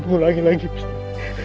mengulangi lagi makasih